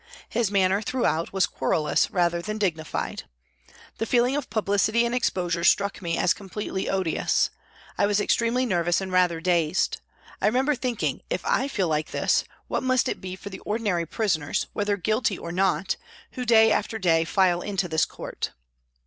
His manner throughout was querulous rather than dignified. The feeling of publicity and exposure struck me as completely odious ; I was extremely nervous and rather dazed. I remember thinking, " If I feel like this, what must it be for the ordinary prisoners, whether guilty or not, who, day after day, file into this court